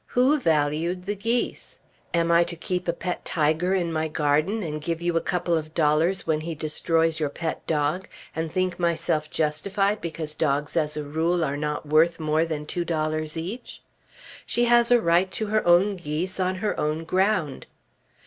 Who valued the geese? Am I to keep a pet tiger in my garden, and give you a couple of dollars when he destroys your pet dog, and think myself justified because dogs as a rule are not worth more than two dollars each? She has a right to her own geese on her own ground."